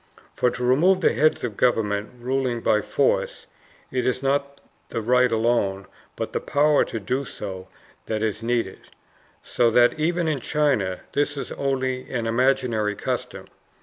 For to remove the heads of a government ruling by force, it is not the right alone, but the power to do so that is needed. So that even in China this is only an imaginary custom.